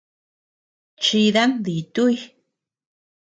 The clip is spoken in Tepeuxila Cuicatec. Chidan dituuy.